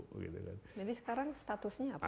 jadi sekarang statusnya apa